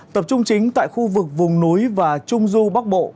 tập trung chính tại khu vực vùng núi và trung du bắc bộ